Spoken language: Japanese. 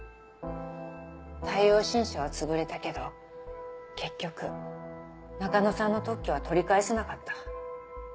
太陽新社はつぶれたけど結局中野さんの特許は取り返せなかった。